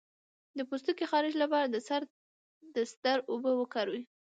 د پوستکي خارښ لپاره د سدر اوبه وکاروئ